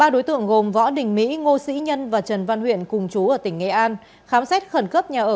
ba đối tượng gồm võ đình mỹ ngô sĩ nhân và trần văn huyện cùng chú ở tỉnh nghệ an khám xét khẩn cấp nhà ở